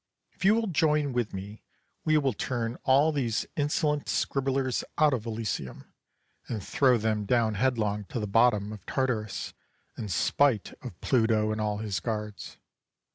If you will join with me, we will turn all these insolent scribblers out of Elysium, and throw them down headlong to the bottom of Tartarus, in spite of Pluto and all his guards.